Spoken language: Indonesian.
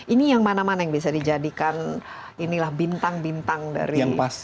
ini yang mana mana yang bisa dijadikan bintang bintang dari start ups